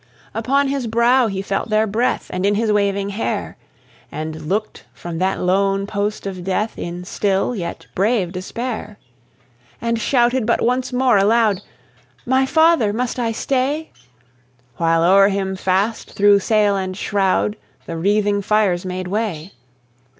Upon his brow he felt their breath, And in his waving hair; And looked from that lone post of death In still, yet brave despair. And shouted but once more aloud "My father! must I stay?" While o'er him fast, through sail and shroud, The wreathing fires made way.